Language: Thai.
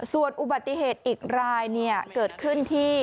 ส่วนอุบัติเหตุอีกรายเกิดขึ้นที่